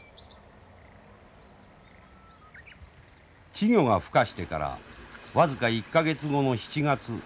稚魚が孵化してから僅か１か月後の７月。